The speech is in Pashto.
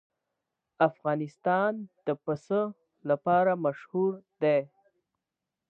افغانستان د پسه لپاره مشهور دی.